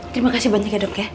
terima kasih banyak ya dok ya